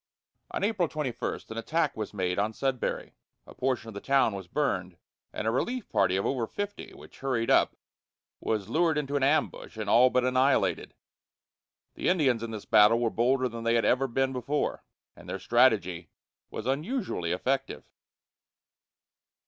On April 21 an attack was made on Sudbury; a portion of the town was burned, and a relief party of over fifty which hurried up was lured into an ambush and all but annihilated. The Indians in this battle were bolder than they had ever been before, and their strategy was unusually effective.